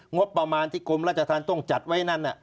งบประมาณที่กรมราชธรรมต้องจัดไว้นั่น